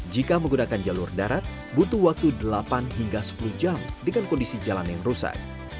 jika menggunakan jalur darat butuh waktu delapan hingga sepuluh jam dengan kondisi jalan yang rusak